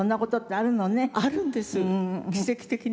あるんです奇跡的に。